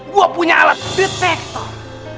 gue punya alat detektor